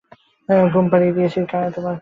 ঘুম পাড়িয়ে দিয়েছি তোমায়, কায়োটি।